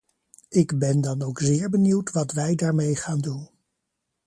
Ik ben dan ook zeer benieuwd wat wij daarmee gaan doen.